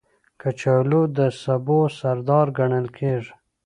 کچالو د سبو سردار ګڼل کېږي